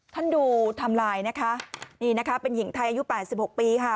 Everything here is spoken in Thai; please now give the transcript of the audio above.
ท่านดูไทม์ไลน์นะคะนี่นะคะเป็นหญิงไทยอายุ๘๖ปีค่ะ